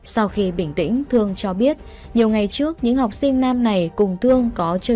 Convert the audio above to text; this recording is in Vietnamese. sau khi bình tĩnh thương cho biết nhiều ngày trước những học sinh nam này cùng thương có chơi game trên mạng